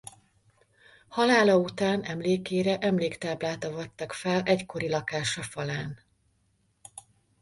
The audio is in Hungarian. Halála után emlékére emléktáblát avattak fel egykori lakása falán.